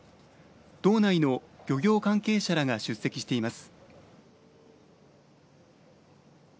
道内の漁業関係者らが出席しています。